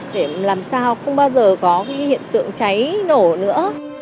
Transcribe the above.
để làm sao không bao giờ có hiện tượng cháy nổ nữa